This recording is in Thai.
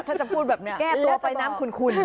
ถ้าจะพูดแบบนี้แก้ตัวไฟน้ำคุณ